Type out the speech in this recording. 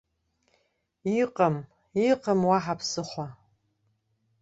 Иҟам, иҟам уаҳа ԥсыхәа.